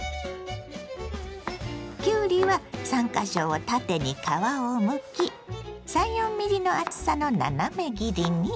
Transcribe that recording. きゅうりは３か所を縦に皮をむき３４ｍｍの厚さの斜め切りに。